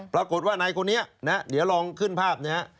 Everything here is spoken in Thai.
ปรากฏว่านายคนนี้นะเดี๋ยวลองขึ้นภาพนี้